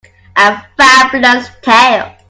A Fabulous tale.